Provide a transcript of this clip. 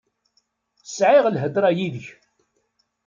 Sɛiɣ lhedra yid-k.